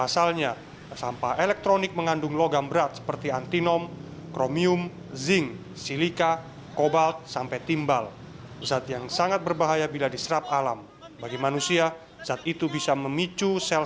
sampah ini masuk kategori b tiga atau bahan berbahaya dan beracun